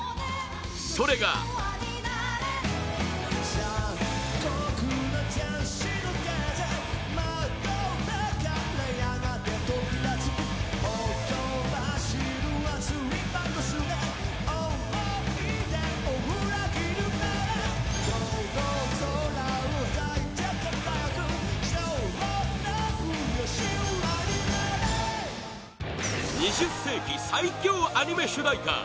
それが２０世紀、最強アニメ主題歌